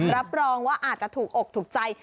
รับรองว่าอาจจะถูกอกถูกใจ